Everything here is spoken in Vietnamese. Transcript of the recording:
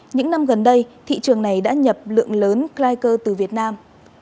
những năm gần đây thị trường này đã nhập lượng lớn klycert từ việt nam